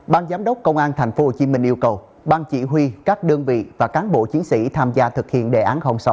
ban giám đốc công an tp hcm yêu cầu ban chỉ huy các đơn vị và cán bộ chiến sĩ tham gia thực hiện đề án sáu